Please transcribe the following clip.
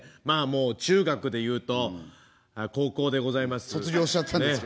まあもう中学で言うと高校でございます。